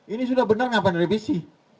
ini sudah benar kenapa merevisi